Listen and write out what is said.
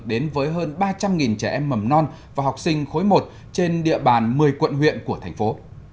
đến với hơn ba trăm linh trẻ em mầm non và học sinh khối một trên địa bàn một mươi quận huyện của thành phố